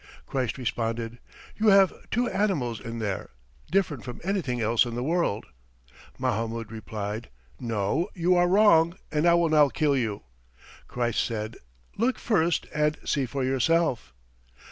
Christ responded, 'You have two animals in there, different from anything else in the world.' Mahamoud replied, 'No, you are wrong, and I will now kill you.' Christ said, 'Look first, and see for yourself.'